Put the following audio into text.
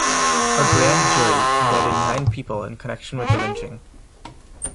A grand jury indicted nine people in connection with the lynching.